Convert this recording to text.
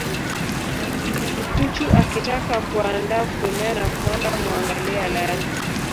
Nchu akitaka kuanda kunena kwanda huangalia lake.